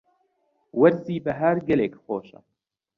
وەرزی بەهار گەلێک خۆشە.